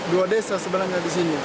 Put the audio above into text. dua desa sebenarnya di sini